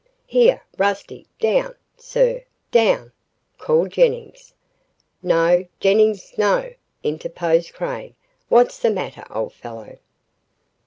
"Here, Rusty down, sir, down!" called Jennings. "No, Jennings, no," interposed Craig. "What's the matter, old fellow?"